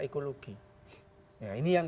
ekologi ini yang